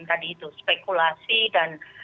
tadi itu spekulasi dan